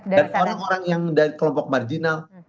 dan orang orang yang dari kelompok marginal